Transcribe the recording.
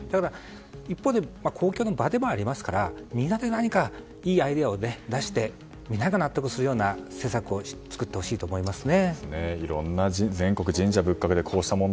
一方で公共の場でもありますからみんなでいいアイデアを出しながらみんなが納得するような施策を作ってほしいと思いますね。